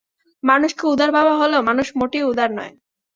মানুষকে উদার ভাবা হলেও মানুষ মোটেই উদার নয়।